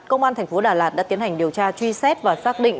công an thành phố đà lạt đã tiến hành điều tra truy xét và xác định